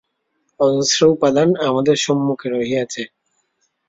অজস্র উপাদান আমাদের সম্মুখে রহিয়াছে।